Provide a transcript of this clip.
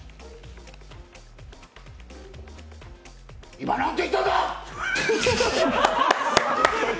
今、何て言ったんんだ！